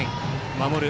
守る